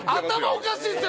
おかしいっすよ